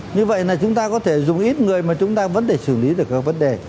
như vậy là chúng ta có thể dùng ít người mà chúng ta vẫn để xử lý được các vấn đề